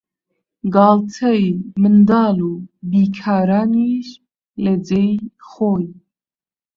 گاڵتەی منداڵ و بیکارانیش لە جێی خۆی